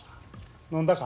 飲んだか？